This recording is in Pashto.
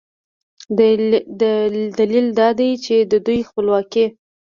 دلیل دا دی چې د دوی خپلواکي